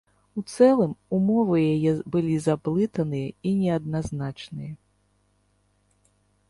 У цэлым, умовы яе былі заблытаныя і неадназначныя.